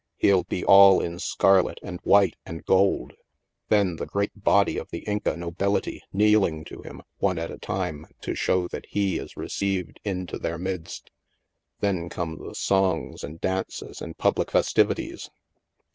He'll be all in scarlet and white and gold. Then the great body of the Inca nobility kneeling to him, one at a time, to show that he is received into their midst. Then come the songs, and dances, and public festivities."